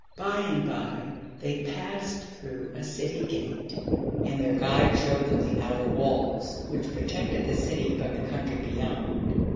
By and by they passed through a City gate and their guide showed them the outer walls, which protected the City from the country beyond.